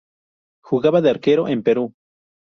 Jugaba de arquero en Perú.